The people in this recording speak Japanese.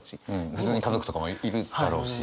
普通に家族とかもいるだろうし。